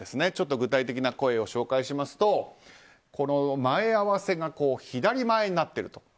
具体的な声を紹介しますと前合わせが、左前になっていると。